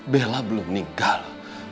bella belum meninggal